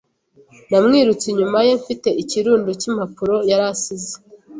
Namwirutse inyuma ye mfite ikirundo cy'impapuro yari asize.